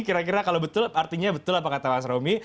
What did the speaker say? kira kira kalau betul artinya betul apa kata mas romi